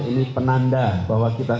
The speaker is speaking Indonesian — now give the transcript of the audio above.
ini penanda bahwa kita